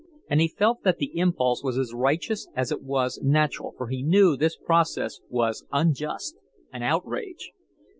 And he felt that the impulse was as righteous as it was natural, for he knew this process was unjust, an outrage.